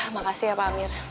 makasih ya pak amir